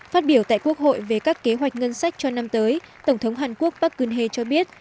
phát biểu tại quốc hội về các kế hoạch ngân sách cho năm tới tổng thống hàn quốc park kune cho biết